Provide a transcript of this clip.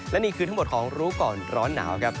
และนี่คือทั้งหมดของรู้ก่อนร้อนหนาวครับ